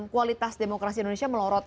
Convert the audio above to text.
kualitas demokrasi indonesia melorot